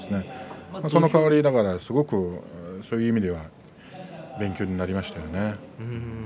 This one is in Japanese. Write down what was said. その代わりすごく、そういう意味では勉強になりました。